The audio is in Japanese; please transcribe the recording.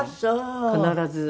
必ず。